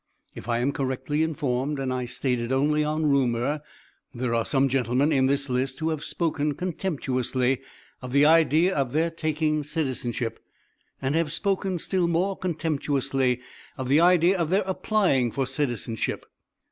If I am correctly informed, and I state it only on rumor, there are some gentlemen in this list who have spoken contemptuously of the idea of their taking citizenship, and have spoken still more contemptuously of the idea of their applying for citizenship.